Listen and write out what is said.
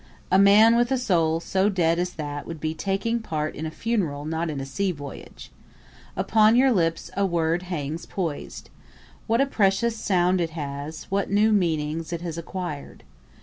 A man with a soul so dead as that would be taking part in a funeral, not in a sea voyage. Upon your lips a word hangs poised. What a precious sound it has, what new meanings it has acquired!